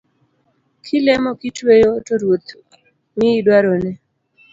Kilemo kitweyo to Ruoth miyi dwaroni